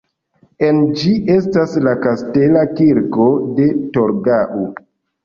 En ĝi estas la Kastela kirko de Torgau.